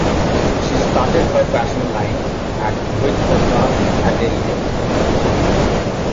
She started her fashion line at Rohit Khosla’s atelier.